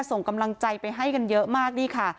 ส่งกำลังใจไปให้กันเยอะมากนี่ค่ะ